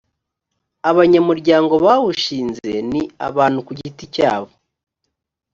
abanyamuryango bawushinze ni abantu ku giti cyabo